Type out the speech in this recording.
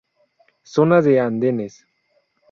Zona de andenes.